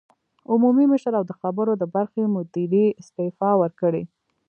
عمومي مشر او د خبرونو د برخې مدیرې استعفی ورکړې